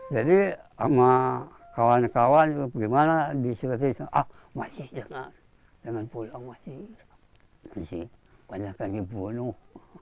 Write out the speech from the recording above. jadi sama kawan kawan gimana diserahkan ah masih jangan jangan pulang masih banyak yang dipunuh